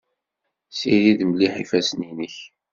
Ssirid mliḥ ifassen-nnek.